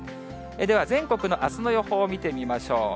では全国のあすの予報を見てみましょう。